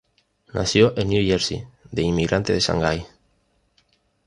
Nació en New Jersey de inmigrantes de Shanghái.